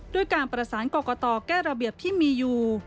ด้วยการประสานกรกตแก้ระเบียบที่มีอยู่